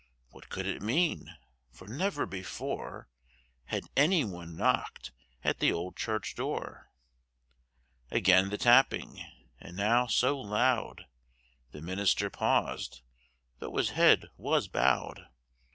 What could it mean? for never before Had any one knocked at the old church door. Again the tapping, and now so loud, The minister paused (though his head was bowed).